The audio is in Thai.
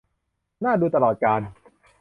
น่าดูตลอดกาล